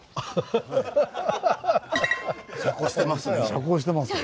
遮光してますね。